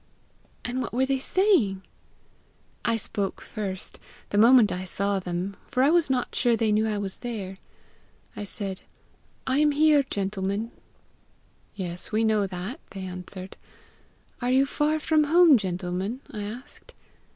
"And what were they saying?" "I spoke first the moment I saw them, for I was not sure they knew that I was there. I said, 'I am here, gentlemen.' 'Yes, we know that,' they answered. 'Are you far from home, gentlemen?' I asked.